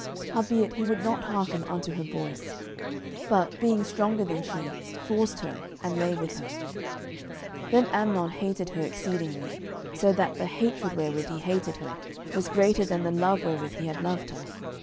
10:013:014 Howbeit he would not hearken unto her voice: but, being stronger than she, forced her, and lay with her. 10:013:015 Then Amnon hated her exceedingly; so that the hatred wherewith he hated her was greater than the love wherewith he had loved her.